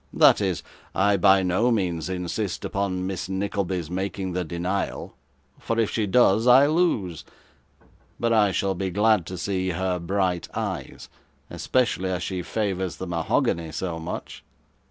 'That is, I by no means insist upon Miss Nickleby's making the denial, for if she does, I lose; but I shall be glad to see her bright eyes, especially as she favours the mahogany so much.